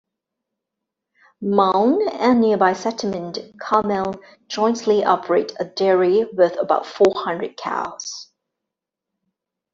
Ma'on and nearby settlement Carmel jointly operate a dairy with about four hundred cows.